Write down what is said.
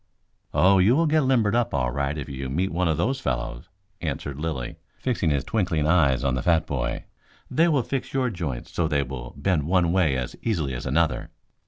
"Oh, you will get limbered up all right if you meet one of those fellows," answered Lilly, fixing his twinkling eyes on the fat boy. "They will fix your joints so they will bend one way as easily as another."